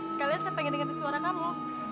sekalian saya pengen dengerin suara kamu